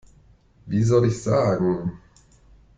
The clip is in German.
Wie soll ich sagen?